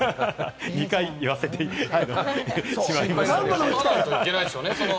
２回、言わせてしまいました。